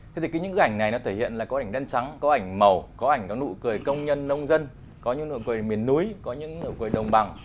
thế thì những cái ảnh này nó thể hiện là có ảnh đen trắng có ảnh màu có ảnh có nụ cười công nhân nông dân có những nụ cười miền núi có những nụ cười đồng bằng